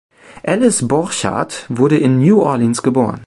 Alice Borchardt wurde in New Orleans geboren.